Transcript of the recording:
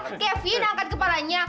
ayo dong diangkat kevin angkat kepalanya